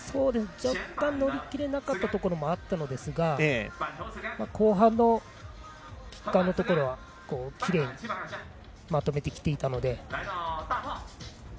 若干乗り切れなかったところもあるんですが後半のキッカーのところはきれいにまとめてきていたので。